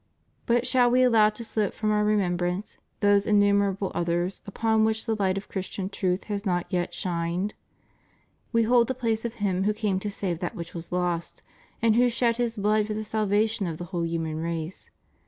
But shall We allow to slip from Our remembrance those innumerable others upon whom the light of Christian truth has not yet shined? We hold the place of Him who came to save that which was lost, and who shed His blood for the salvation of the whole human race.